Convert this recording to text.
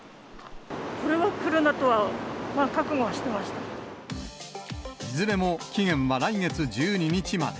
これは来るなとは、覚悟はしいずれも、期限は来月１２日まで。